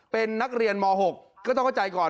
เป็นนักเรียนม๖ก็ต้องเข้าใจก่อน